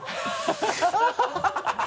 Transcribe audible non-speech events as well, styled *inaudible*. ハハハ *laughs*